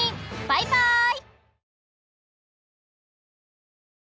バイバイ！